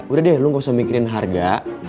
udah deh lu gak usah mikirin harga